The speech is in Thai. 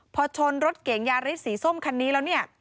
พอชนรถเก๋งยาริสสีส้มคันนี้แล้วเนี่ย